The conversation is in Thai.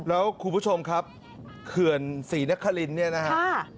แล้วคุณผู้ชมครับเขื่อนศรีนครินเนี่ยนะฮะ